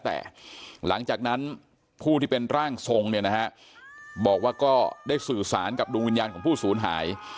แต่หลังจากนั้นผู้ที่เป็นร่างทรงเนี่ยนะฮะบอกว่าก็ได้สื่อสารกับดวงวิญญาณของผู้ศูนย์หาย